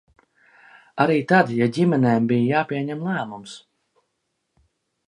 Arī tad, ja ģimenēm bija jāpieņem lēmums.